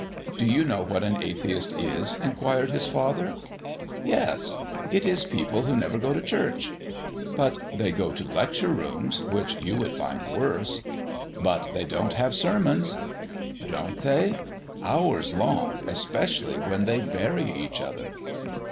"Do you know what an atheist is?" inquired his father. "Yes, it is people who never go to church." "But they go to lecture rooms, which you would find worse." "But they don't have sermons." "Don't they? Hours long, especially when they bury each other."